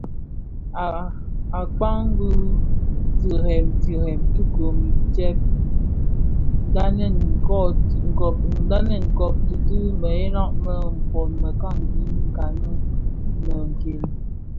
Akpaň bi tirèè tirèè ti gom itsem, ndhanen kōti dhi mëghèla më mpōn, mekanikani “mě nken”.